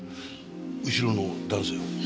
後ろの男性は？